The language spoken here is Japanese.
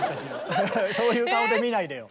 そういう顔で見ないでよ。